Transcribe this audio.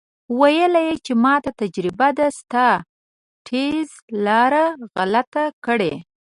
ویل یې چې ماته تجربه ده ستا ټیز لاره غلطه کړې.